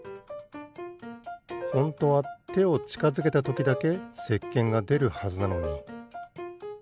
ホントはてをちかづけたときだけせっけんがでるはずなのに。